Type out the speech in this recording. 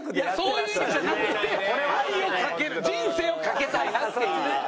そういう意味じゃなくて愛をかける人生をかけたいなっていう。